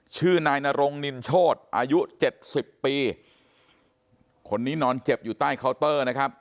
ชื่อนายนรงนินโชธอายุเจ็ดสิบปีคนนี้นอนเจ็บอยู่ใต้เคาน์เตอร์นะครับ